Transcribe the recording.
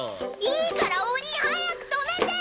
いいからお兄早く止めて！